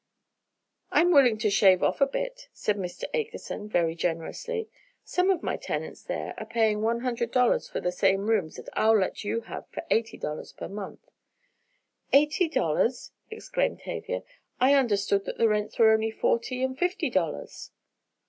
"I'm willing to shave off a bit," said Mr. Akerson, very generously. "Some of my tenants there are paying one hundred dollars for the same rooms that I'll let you have for eighty dollars per month." "Eighty dollars!" exclaimed Tavia, "I understood that the rents were only forty and fifty dollars!"